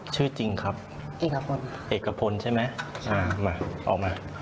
ชื่อจริงครับเอกพลใช่มั้ยออกมา